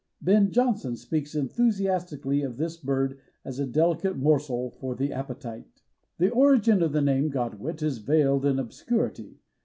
Ben Jonson speaks enthusiastically of this bird as a delicate morsel for the appetite. The origin of the name Godwit is veiled in obscurity.